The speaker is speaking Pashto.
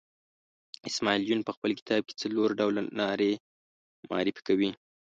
اسماعیل یون په خپل کتاب کې څلور ډوله نارې معرفي کوي.